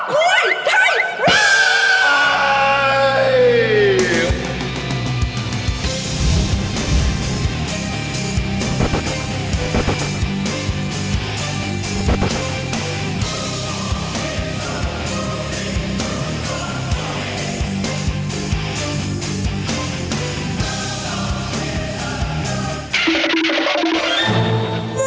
ขยัย